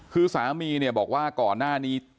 คือสามีเนี่ยบอกว่าก่อนหน้านี้